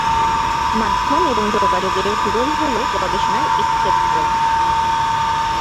মাধ্যম এবং যোগাযোগের ভূগোল হল গবেষণার একটি ক্ষেত্র।